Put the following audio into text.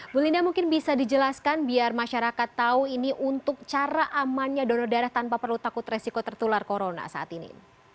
bu linda mungkin bisa dijelaskan biar masyarakat tahu ini untuk cara amannya donor darah tanpa perlu takut resiko tertular corona saat ini